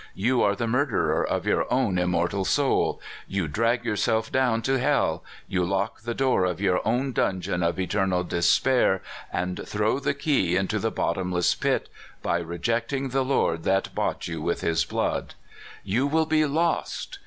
You are the murderer of your own immortal soul. You drag yourself down to hell. You lock the door of your own dungeon of eternal despair, and throw the key into the bot ' to in less pit, by rejecting the Lord that bought you with his blood! You will be lost!